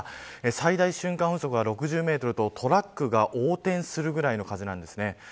最大瞬間風速は６０メートルとトラックが横転するぐらいの風なんです。